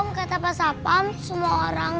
om kata pasapam semua orang